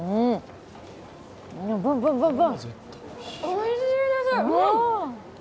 おいしいです！